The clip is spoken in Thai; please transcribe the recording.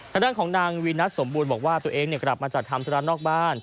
คำนึงวินัทให้ว่าเจ้าก็มาทำทราบงานให้ลูก